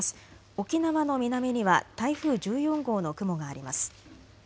沖縄の南には台風１４号の雲があります。